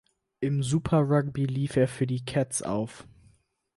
Im Super Rugby lief er für die Cats auf.